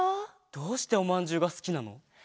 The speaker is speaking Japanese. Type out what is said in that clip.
どうしておまんじゅうがすきなの？